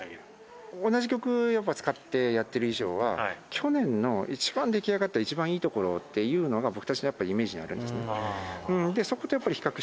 同じ曲やっぱ使ってやってる以上は、去年の一番出来上がった、一番いいところっていうのが、僕たちのやっぱイメージにあるんですね。